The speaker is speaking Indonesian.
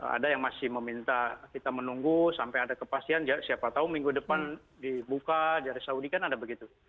ada yang masih meminta kita menunggu sampai ada kepastian siapa tahu minggu depan dibuka dari saudi kan ada begitu